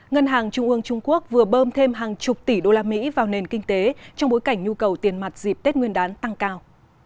ngân hàng trung ương trung quốc vừa bơm thêm hàng chục tỷ đô la mỹ vào nền kinh tế trong bối cảnh nhu cầu tiền mặt dịp tết nguyên đán tăng cao